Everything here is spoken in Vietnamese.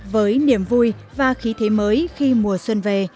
với niềm vui và khí thế mới khi mùa xuân về